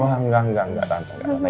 wah enggak enggak enggak